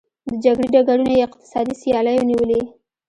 د جګړې ډګرونه یې اقتصادي سیالیو نیولي.